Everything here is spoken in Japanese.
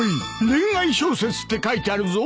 恋愛小説って書いてあるぞ。